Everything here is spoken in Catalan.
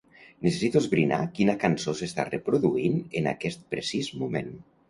Necessito esbrinar quina cançó s'està reproduint en aquest precís moment.